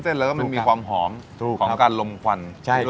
เส้นแล้วก็มันมีความหอมถูกครับของการลมควันใช่ครับ